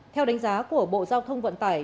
theo đánh giá của bộ giao thông vận tải